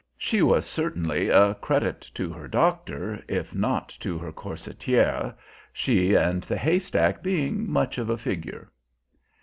She was certainly a credit to her doctor, if not to her corsétière, she and the haystack being much of a figure.)